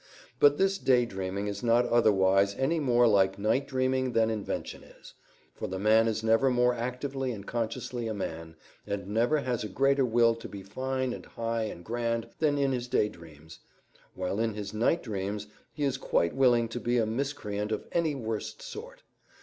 But this day dreaming is not otherwise any more like night dreaming than invention is; for the man is never more actively and consciously a man, and never has a greater will to be fine and high and grand than in his day dreams, while in his night dreams he is quite willing to be a miscreant of any worst sort.